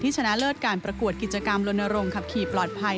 ชนะเลิศการประกวดกิจกรรมลนโรงขับขี่ปลอดภัย